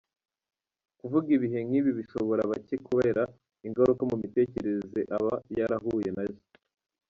Kuvuga ibihe nk’ibi bishobora bake kubera ingaruka mu mitekerereze aba yarahuye nazo.